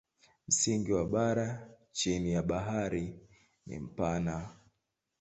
Msingi wa bara chini ya bahari ni mpana.